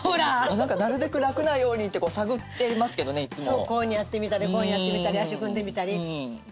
こういうふうにやってみたりこういうふうにやってみたり足組んでみたり。